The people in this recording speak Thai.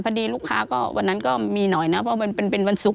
ลูกค้าก็วันนั้นก็มีหน่อยนะเพราะมันเป็นวันศุกร์